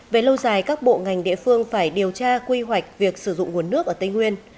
về lâu dài các bộ ngành địa phương phải điều tra quy hoạch việc sử dụng nguồn nước ở tây nguyên